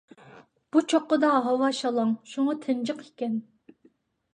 بۇ چوققىدا ھاۋا شالاڭ ھەم تىنچىق ئىكەن.